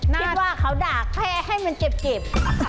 คิดว่าเขาด่าแค่ให้มันเจ็บ